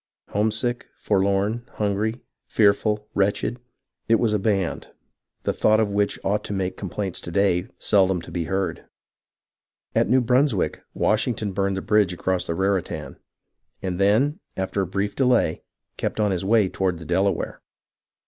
Homesick, forlorn, hungry, fearful, wretched, — it was a band, the thought of which ought to make complaints to day seldom to be heard. At New Brunswick, Washington burned the bridge across the Raritan, and then, after a brief delay, kept on his way toward the Delaware.